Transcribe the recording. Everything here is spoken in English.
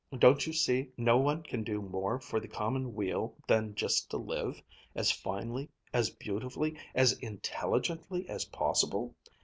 Don't you see how no one can do more for the common weal than just to live, as finely, as beautifully, as intelligently as possible?